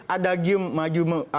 ada gium maju